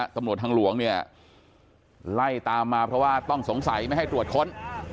ตำรวจทางหลวงเนี่ยไล่ตามมาเพราะว่าต้องสงสัยไม่ให้ตรวจค้น